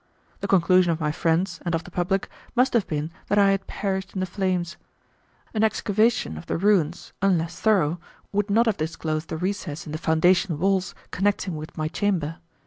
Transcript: The conclusion of my friends, and of the public, must have been that I had perished in the flames. An excavation of the ruins, unless thorough, would not have disclosed the recess in the foundation walls connecting with my chamber.